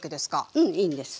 うんいいんです。